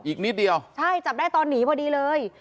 อีกนิดเดียวใช่จับได้ตอนหนีพอดีเลย